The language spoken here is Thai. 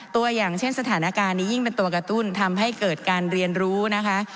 ตัวอย่างเช่นสถานการณ์นี้ยิ่งเป็นตัวกระตุ้นทำให้เกิดการเรียนรู้นะคะ